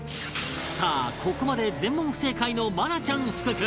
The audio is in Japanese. さあここまで全問不正解の愛菜ちゃん福君